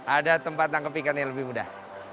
ada tempat tangkep ikan yang lebih mudah